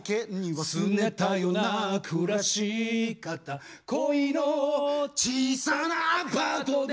「すねたよな暮し方恋の小さなアパートで」